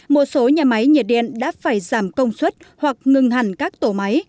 một số nhà máy nhiệt điện đã phải giảm công suất hoặc ngừng hẳn các tổ máy